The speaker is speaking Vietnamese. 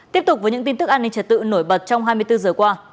tiếp tục với những tin tức an ninh trật tự nổi bật trong hai mươi bốn giờ qua